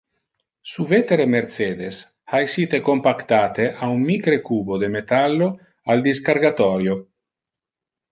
Su vetere Mercedes ha essite compactate a un micre cubo de metallo al discargatorio.